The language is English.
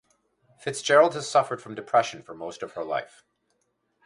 Fitzgerald has suffered from depression for most of her life.